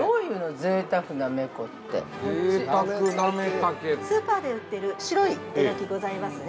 ◆「贅沢なめ茸」◆スーパーで売っている白いえのき、ございますね。